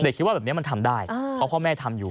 คิดว่าแบบนี้มันทำได้เพราะพ่อแม่ทำอยู่